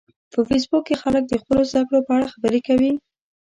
په فېسبوک کې خلک د خپلو زده کړو په اړه خبرې کوي